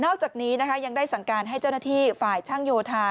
อกจากนี้นะคะยังได้สั่งการให้เจ้าหน้าที่ฝ่ายช่างโยธา